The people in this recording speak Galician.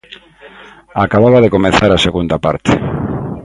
Acababa de comezar a segunda parte.